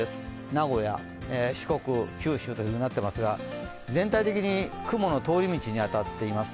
名古屋、四国、九州となっていますが全体的に雲の通り道に当たっています。